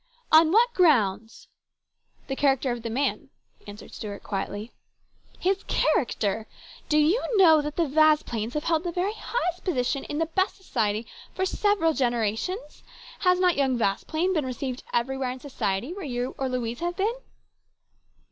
" On what grounds ?"" The character of the man," answered Stuart quietly. 220 HIS BROTHER'S KEEPER. " His character ! Do you know that the Vasplaines have held the very highest position in the best society for several generations ? Has not young Vasplaine been received everywhere in society where you or Louise have been